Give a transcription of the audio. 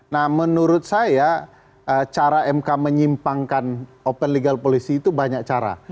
nah menurut saya cara mk menyimpangkan open legal policy itu banyak cara